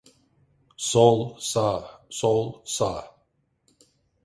Sol, sağ, sol, sağ.